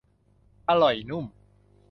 อร่อยนุ่ม